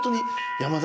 山田？